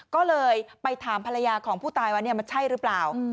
ก็เลยไปถามภรรยาของผู้ตายว่ามันใช่หรือเปล่า